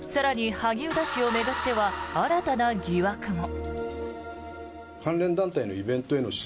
更に、萩生田氏を巡っては新たな疑惑も。